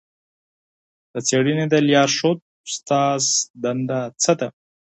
د څېړني د لارښود استاد دنده څه ده؟